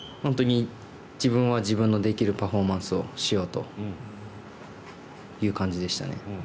本当に自分は自分のできるパフォーマンスをしようという感じでしたね。